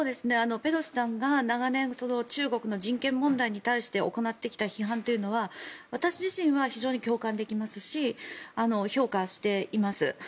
ペロシさんが長年、中国の人権問題に対して行ってきた批判というのは私自身は非常に共感できますし評価しています。